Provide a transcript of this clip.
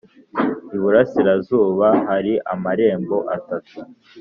Iburasirazuba hari amarembo atatu